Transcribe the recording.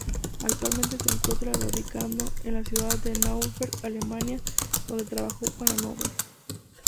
Actualmente se encuentra radicado en la ciudad de Núremberg, Alemania donde trabaja para Novell.